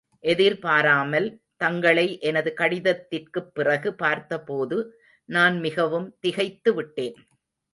எதிர்பாராமல், தங்களை எனது கடிதத்திற்குப் பிறகு பார்த்தபோது, நான் மிகவும் திகைத்து விட்டேன்.